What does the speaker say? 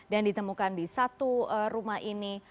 dan ditemukan di satu rumah ini